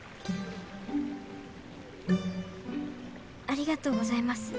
ありがとうございます。